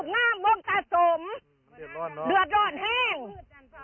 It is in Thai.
มีหนามซ้ำยังปล่อยให้เป็นปัญหาความเดือดร้อนของชาวบ้านที่สัญจรผ่านไปมา